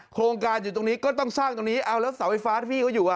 โครงการอยู่ตรงนี้ก็ต้องสร้างตรงนี้เอาแล้วเสาไฟฟ้าที่พี่เขาอยู่อ่ะ